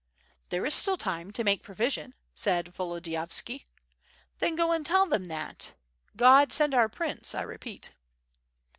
"There is still time enough to make provision," said Volo diyovsky. "Then go and tell them that. God send our prince, I re peat."